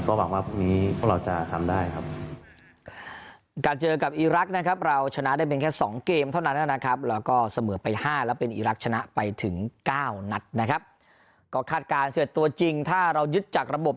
หวังว่าพรุ่งนี้พวกเราจะทำได้ครับ